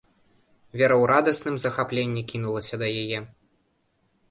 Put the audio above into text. Вера ў радасным захапленні кінулася да яе.